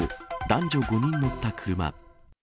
男女５人乗った車。